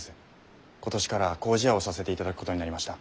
今年からは麹屋をさせていただくことになりました。